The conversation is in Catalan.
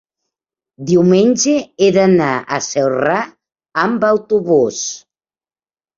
diumenge he d'anar a Celrà amb autobús.